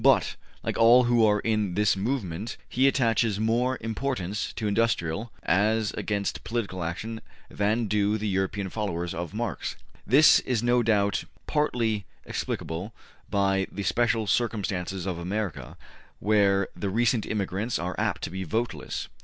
But, like all who are in this movement, he attaches more importance to industrial as against political action than do the European followers of Marx. This is no doubt partly explicable by the special circumstances of America, where the recent immigrants are apt to be voteless.